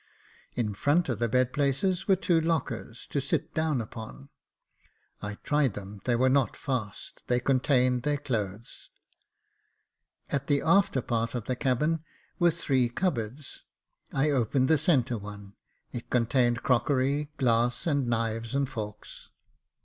In front of the bed places were two lockers, to sit down upon. I tried them — they were not fast — they contained their clothes. At the after part of the cabin were three cupboards ; I opened the centre one, it contained crockery, glass, and knives and forks.